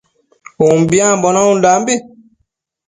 Umbiambo naundambi